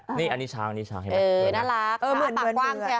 อันนี้ช้างน่ารักมือต่างกว้างแค่